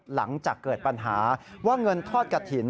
หลังจากเกิดปัญหาว่าเงินทอดกระถิ่น